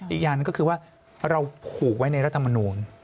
อีกอย่างหนึ่งก็คือว่าเราผูกไว้ในรัฐมนูล